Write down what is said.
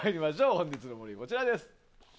本日の森、こちらです。